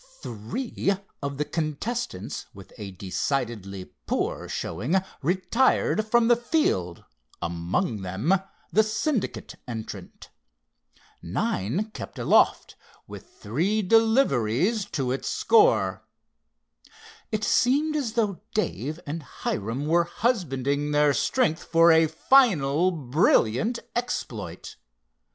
Three of the contestants with a decidedly poor showing retired from the field, among them the Syndicate entrant. Nine kept aloft, with three deliveries to its score. It seemed as though Dave and Hiram were husbanding their strength for a final brilliant exploit.